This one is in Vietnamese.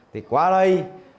thì qua đây